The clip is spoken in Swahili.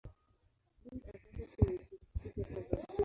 Bill akaenda kwenye Chuo Kikuu cha Harvard.